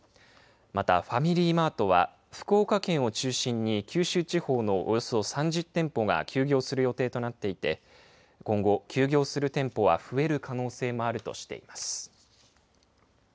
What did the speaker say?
また、ファミリーマートは福岡県を中心に九州地方のおよそ３０店舗が休業する予定となっていて今後、休業する店舗は増える可能性もあるとしています。